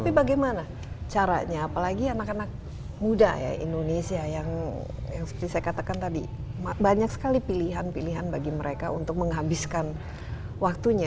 tapi bagaimana caranya apalagi anak anak muda ya indonesia yang seperti saya katakan tadi banyak sekali pilihan pilihan bagi mereka untuk menghabiskan waktunya